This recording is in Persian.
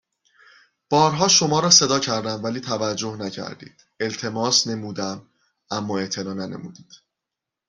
بارها شما را صدا کردم ولی توجه نكرديد التماس نمودم اما اعتنا ننموديد